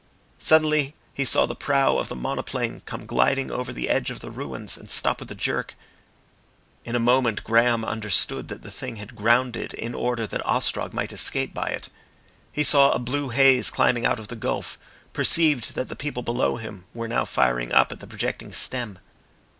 Suddenly he saw the prow of the monoplane come gliding over the edge of the ruins and stop with a jerk. In a moment Graham understood that the thing had grounded in order that Ostrog might escape by it. He saw a blue haze climbing out of the gulf, perceived that the people below him were now firing up at the projecting stem.